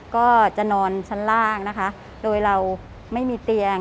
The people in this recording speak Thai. ก็จะนอนชั้นล่างนะคะโดยเราไม่มีเตียง